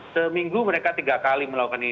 seminggu mereka tiga kali melakukan ini